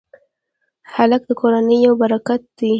هلک د کورنۍ یو برکت دی.